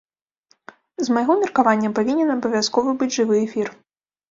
З майго меркавання, павінен абавязкова быць жывы эфір.